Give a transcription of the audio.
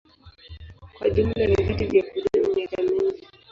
Kwa jumla ni vitu vya kudumu miaka mingi.